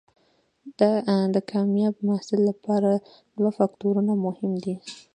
د کامیاب محصل لپاره دوه فکتورونه مهم دي.